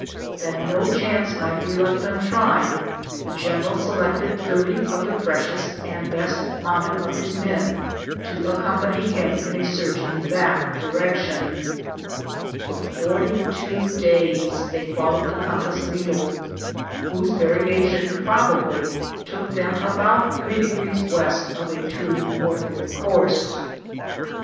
That no chance might be left untried, the general selected thirty of the freshest and best mounted of his men to gmzed t, GoOglt! THE JOURNEY OP CORONADO accompany him in a search in that direction. For forty two days they followed the compass needle, whose variation probably took them about three degrees west of a true northward course.